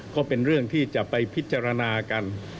ก็เป็นเรื่องที่จะไปพิจารณากัน